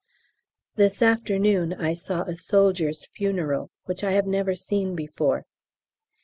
This afternoon I saw a soldier's funeral, which I have never seen before.